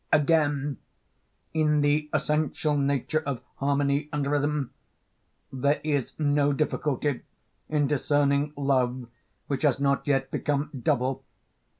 Again, in the essential nature of harmony and rhythm there is no difficulty in discerning love which has not yet become double.